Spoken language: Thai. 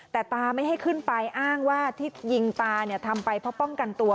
แต่ตาไม่ให้ขึ้นไปอ้างว่าที่ยิงตาเนี่ยทำไปเพราะป้องกันตัว